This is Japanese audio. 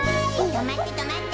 とまってとまって！